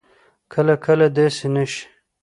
کله کله داسې نه شي